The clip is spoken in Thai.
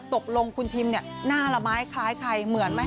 ตกลงพี่หลุยทีมเนี่ยหน้าหละไม้คล้ายใครเหมือนไม่